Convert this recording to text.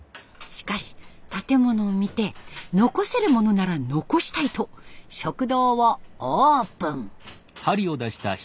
しかし建物を見て残せるものなら残したいと食堂をオープン。